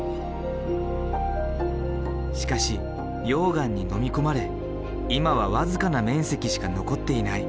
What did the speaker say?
しかし溶岩にのみ込まれ今は僅かな面積しか残っていない。